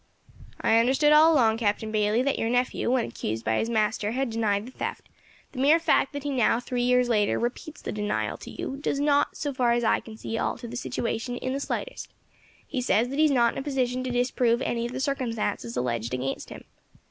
"I understood all along, Captain Bayley, that your nephew, when accused by his master, had denied the theft; the mere fact that he now, three years later, repeats the denial to you, does not, so far as I can see, alter the situation in the slightest. He says that he's not in a position to disprove any of the circumstances alleged against him.